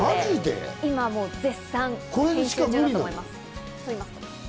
今、絶賛編集中だと思います。